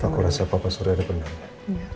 aku rasa papa sudah ada pendapat